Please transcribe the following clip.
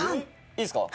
いいですか？